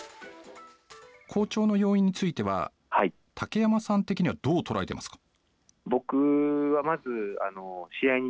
好調の要因については竹山さん的にはどうとらえていますか？